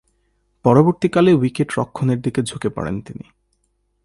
পরবর্তীকালে উইকেট-রক্ষণের দিকে ঝুঁকে পড়েন তিনি।